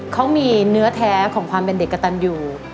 เขามีเนื้อแท้ของความเป็นเด็กกระตันอยู่